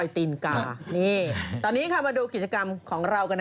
ตอนนี้มาดูกิจกรรมของเรากัน